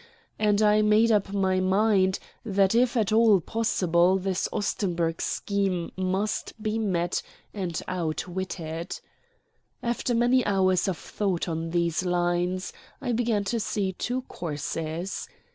And I made up my mind that if at all possible this Ostenburg scheme must be met and outwitted. After many hours of thought on these lines, I began to see two courses.